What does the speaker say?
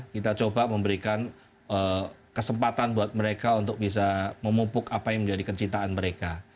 kita coba memberikan kesempatan buat mereka untuk bisa memupuk apa yang menjadi kecintaan mereka